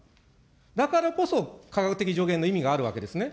だからこそ科学的助言の意味があるわけですね。